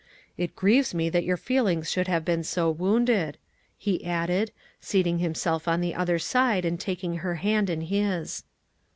"It grieves me that your feelings should have been so wounded," he added, seating himself on the other side, and taking her hand in his.